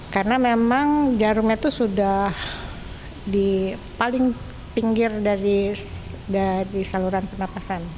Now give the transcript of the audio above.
karena memang jarumnya itu sudah di paling pinggir dari saluran pernafasan